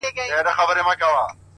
o پاچا صاحبه خالي سوئ؛ له جلاله یې؛